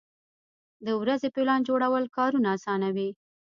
د ورځې پلان جوړول کارونه اسانوي.